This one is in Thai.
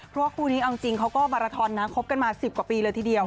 เพราะว่าคู่นี้เอาจริงเขาก็มาราทอนนะคบกันมา๑๐กว่าปีเลยทีเดียว